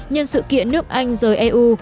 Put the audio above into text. nhân sự kiện nước anh rời eu